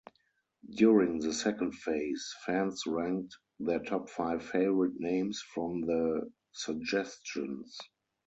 During the second phase, fans ranked their top five favorite names from the suggestions.